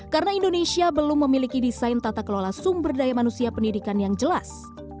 karena indonesia belum memiliki desain tata kelola sumber daya manusia pendidikan yang jelas